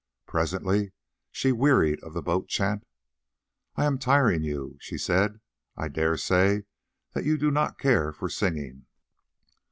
Presently she wearied of the boat chant. "I am tiring you," she said; "I dare say that you do not care for singing."